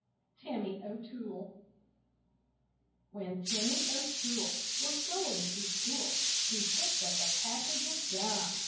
TIMMY O'TOOLE When Timmy O'Toole Was going to school He picked up a package of gum.